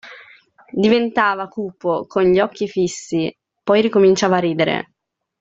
Diventava cupo, con gli occhi fissi, poi ricominciava a ridere.